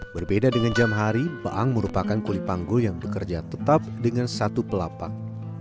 berbeda dengan jam hari baang merupakan kulipanggul yang bekerja tetap dengan satu pelapak